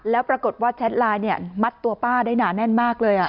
แล้วปรากฏว่าแชทไลน์มัดตัวป้าได้หนาแน่นมากเลย